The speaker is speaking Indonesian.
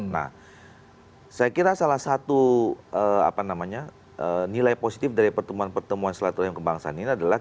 nah saya kira salah satu nilai positif dari pertemuan pertemuan silaturahim kebangsaan ini adalah